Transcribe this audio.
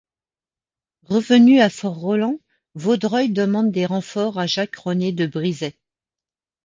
Revenu à Fort Rolland, Vaudreuil demande des renforts à Jacques-René de Brisay.